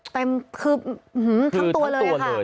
เต็มคือหื้อทั้งตัวเลยอ่ะค่ะ